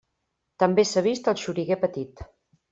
També s'ha vist el xoriguer petit.